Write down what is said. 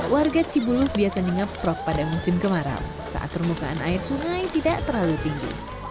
warga cibuluh biasa ngeprok pada musim kemaram saat permukaan air sungai tidak terlalu tinggi